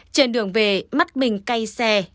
trên đường về mắt mình cay xe